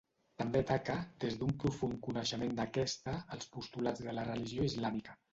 També ataca, des d'un profund coneixement d'aquesta, els postulats de la religió islàmica.